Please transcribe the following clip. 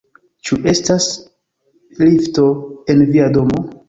Ĉu estas lifto en via domo?